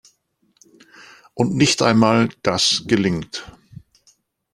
Und nicht einmal das gelingt.